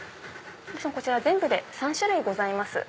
全部で３種類ございます。